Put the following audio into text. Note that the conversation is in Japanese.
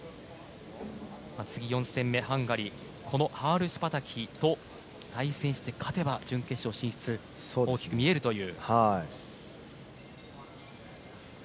次は４戦目、ハンガリーこのハールシュパタキと対戦して勝てば準決勝進出大きく見えるという。